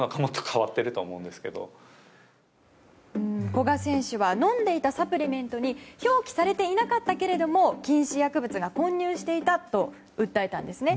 古賀選手は飲んでいたサプリメントに表記されていなかったけれども禁止薬物が混入していたと訴えたんですね。